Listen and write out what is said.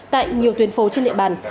tại nhiều tuyến phố trên địa bàn